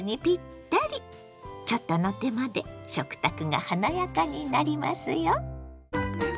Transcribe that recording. ちょっとの手間で食卓が華やかになりますよ。